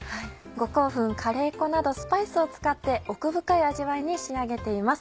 五香粉カレー粉などスパイスを使って奥深い味わいに仕上げています。